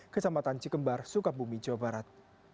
kecamatan cikembar sukabumi jawa barat